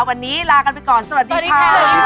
วันนี้ลากันไปก่อนสวัสดีค่ะ